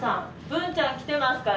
文ちゃん来てるよ。